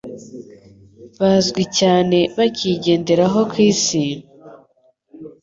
bazwi cyane bakiyigenderaho ku isi,